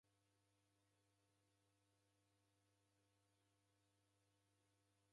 Osinda dungumia kimusi sa nguku.